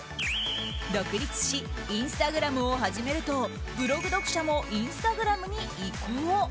独立しインスタグラムを始めるとブログ読者もインスタグラムに移行。